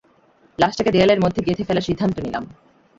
লাশটাকে দেয়ালের মধ্যে গেঁথে ফেলার সিদ্ধান্ত নিলাম।